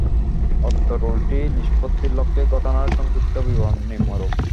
অত্র রুলটি নিষ্পত্তির লক্ষ্যে ঘটনার সংক্ষিপ্ত বিবরণ নিম্নরূপ।